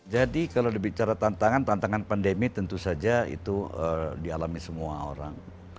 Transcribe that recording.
jadi kalau dibicara tantangan tantangan pandemi tentu saja itu dialami semua orang